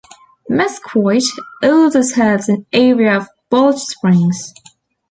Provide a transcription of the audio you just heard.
Mesquite also serves an area of Balch Springs.